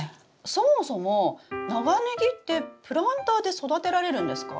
そもそも長ネギってプランターで育てられるんですか？